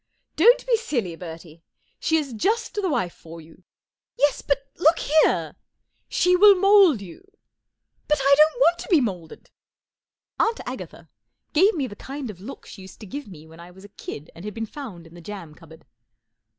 " Don't be Silly, Bertie, She is just the wdfe for you," "Yes, but look here " "She will mould you/' 14 But 1 don't w ant to be moulded." Aunt Agatha gave me the kind of look she used to give me when I was a kid and had been found in the jam cupboard.